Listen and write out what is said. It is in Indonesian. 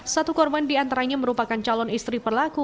satu korban diantaranya merupakan calon istri pelaku